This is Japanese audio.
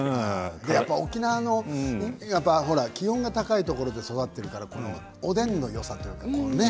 沖縄の気温が高いところで育っているからおでんのよさとかね。